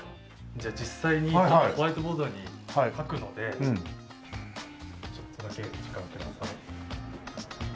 じゃあ実際にホワイトボードに書くのでちょっとだけ時間をください。